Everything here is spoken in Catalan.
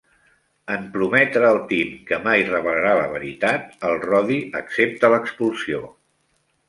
En prometre el Tim que mai revelarà la veritat, el Roddy accepta l'expulsió.